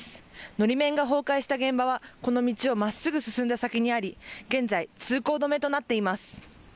のり面が崩壊した現場はこの道をまっすぐ進んだ先にあり現在、通行止めとなっています。